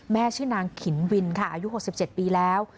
ชื่อนางขินวินค่ะอายุ๖๗ปีแล้ว